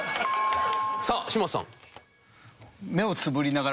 さあ嶋佐さん。